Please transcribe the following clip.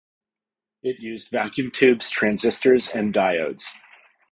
It used vacuum tubes, transistors, and diodes.